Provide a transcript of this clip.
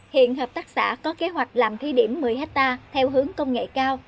hiện hợp tác xã có kế hoạch làm thi điểm một mươi hectare theo hướng công nghệ cao